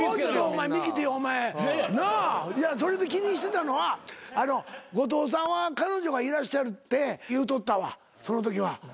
それで気にしてたのは後藤さんは彼女がいらっしゃるって言うとったわそのときは。